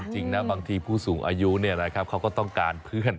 จริงนะบางทีผู้สูงอายุเขาก็ต้องการเพื่อน